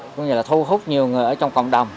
cũng như là thu hút nhiều người ở trong cộng đồng